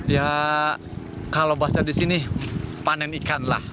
ya kalau bahasa di sini panen ikan lah